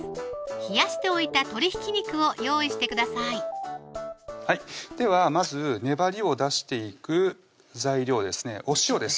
冷やしておいた鶏ひき肉を用意してくださいではまず粘りを出していく材料ですねお塩です